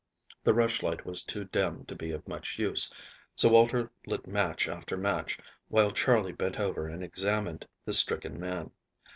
The rushlight was too dim to be of much use, so Walter lit match after match, while Charley bent over and examined the stricken man.